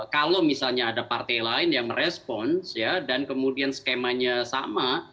kalau misalnya ada partai lain yang merespons dan kemudian skemanya sama